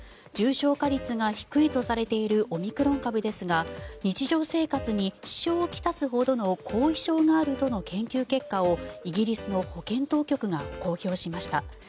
重症化率が低いとされているオミクロン株ですが日常生活に支障を来すほどの後遺症があるとの研究結果をイギリスの保健当局が公表しました。